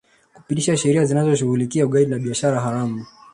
Kupitisha sheria zinazoshughulikia ugaidi na biashara haramu